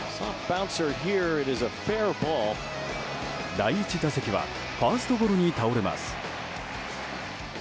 第１打席はファーストゴロに倒れます。